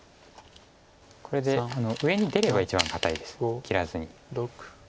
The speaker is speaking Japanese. これで上に出れば一番堅いです切らずに。